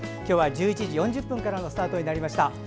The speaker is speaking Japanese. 今日は１１時４０分からのスタートになりました。